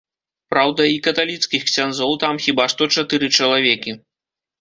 Праўда, і каталіцкіх ксяндзоў там хіба што чатыры чалавекі.